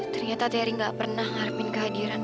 ternyata teri gak pernah ngarepin kehadiran aku